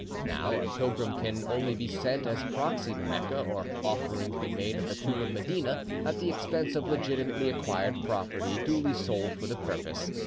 Now a pilgrim can only be sent as proxy to Mecca, or offerings be made at the tomb of Medina, at the expense of legitimately acquired property duly sold for the purpose.